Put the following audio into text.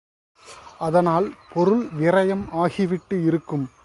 அதனால் பொருள் விரயம் ஆகிவிட்டு இருக்கும்.